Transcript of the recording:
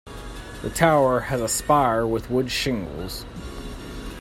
The tower has a spire with wood shingles.